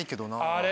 あれ？